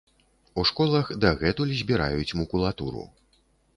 У школах дагэтуль збіраюць макулатуру.